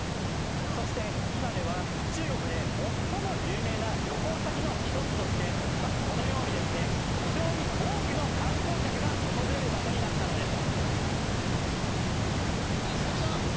そして今では、中国で最も有名な旅行先の１つとしてこのように非常に多くの観光客が訪れる場所になったのです。